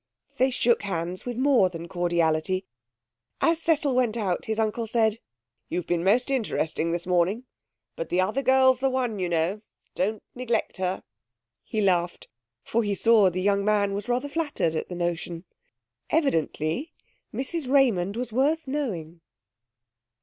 They shook hands with more than cordiality. As Cecil went out his uncle said 'You've been most interesting this morning. But the other girl's the one, you know. Don't neglect her.' He laughed, for he saw the young man was rather flattered at the notion. Evidently, Mrs Raymond was worth knowing.